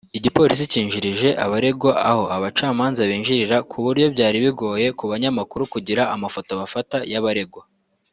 Igipolisi kinjirije abaregwa aho abacamanza binjirira ku buryo byari bigoye ku banyamakuru kugira amafoto bafata y’abaregwa